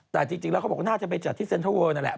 แต่จริงแล้วเขาบอกน่าจะไปจัดที่เซ็นเทอร์เวิร์ลนั่นแหละ